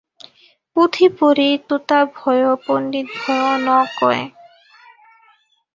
পোথি পঢ়ি তোতা ভয়ো পণ্ডিত ভয়ো ন কোয়।